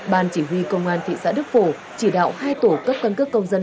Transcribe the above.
ban chỉ huy công an thị xã đức phổ chỉ đạo hai tổ cấp căn cước công dân